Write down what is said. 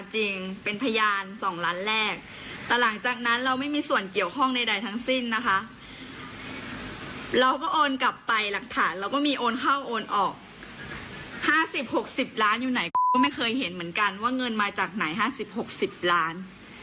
หรือถ้าหลังจากนั้นก็ไม่รู้เหมือนกันว่าเงินเอามาจากไหน